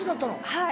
はい。